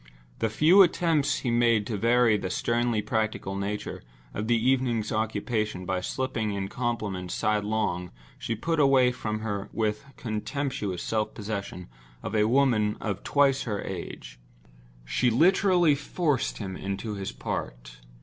The few attempts he made to vary the sternly practical nature of the evening's occupation by slipping in compliments sidelong she put away from her with the contemptuous self possession of a woman of twice her age. She literally forced him into his part.